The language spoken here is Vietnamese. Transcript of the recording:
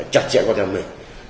chặt chẽ con em mình